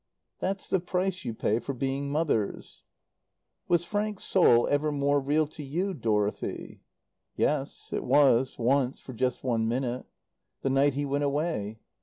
"That's the price you pay for being mothers." "Was Frank's soul ever more real to you, Dorothy?" "Yes. It was once for just one minute. The night he went away.